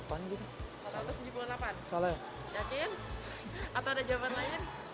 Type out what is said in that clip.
yakin atau ada jawaban lain